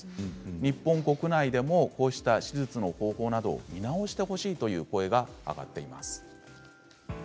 日本国内でも、こうした手術の方法などを見直してほしいという声が上がっています。